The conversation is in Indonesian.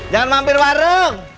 jangan mampir warung